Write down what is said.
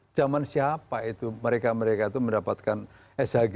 itu jaman siapa itu mereka mereka itu mendapatkan shgu